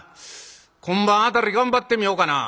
今晩辺り頑張ってみようかな。